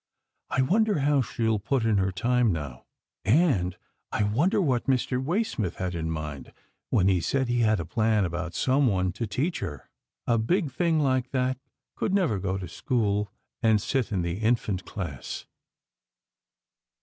I wonder how she'll put in her time now, and I wonder what Mr. Waysmith had in mind when he said he had a plan about someone to teach her? A big thing like that could never go to school and sit in the infant class."